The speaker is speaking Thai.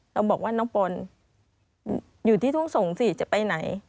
เราบอกว่าน้องปอนอยู่ที่ทุ่งสงศ์สิจะไปไหน